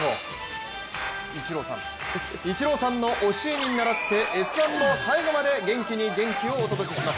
イチローさんの教えに倣って、「Ｓ☆１」も最後まで元気に元気をお届けします。